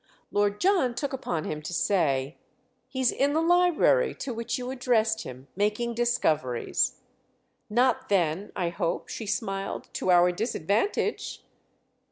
Lord John took upon him to say. "He's in the library, to which you addressed him—making discoveries." "Not then, I hope," she smiled, "to our disadvantage!"